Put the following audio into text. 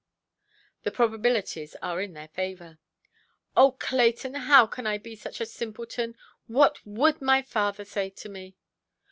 The probabilities are in their favour. "Oh, Clayton, how can I be such a simpleton? What would my father say to me"?